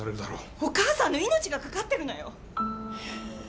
お母さんの命がかかってるのよ！？